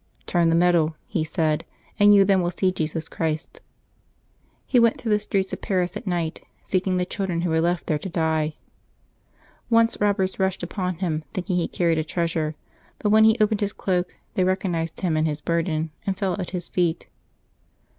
" Turn the medal,'^ he said, " and you then will see Jesus Christ." He went through the streets of Paris at night, seeking the children who were left there to die. Once robbers rushed upon him, thinking he carried a treasure, but when he opened his cloak, they recognized him and his burden, and fell at his feet.